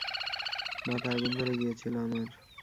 মাথায় আগুন ধরে গিয়েছিল আমার।